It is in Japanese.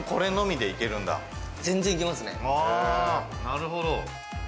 なるほど！